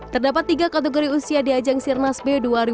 terdapat tiga kategori usia di ajang sirnas b dua ribu dua puluh